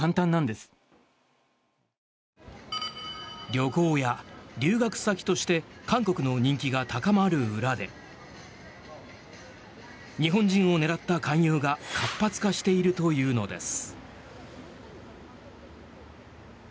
旅行や留学先として韓国の人気が高まる裏で日本人を狙った勧誘が活発化しているというのです。